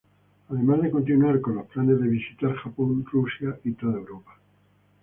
Además de continuar con los planes de visitar, Japón, Rusia y toda Europa.